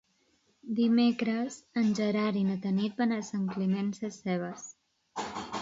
Dimecres en Gerard i na Tanit van a Sant Climent Sescebes.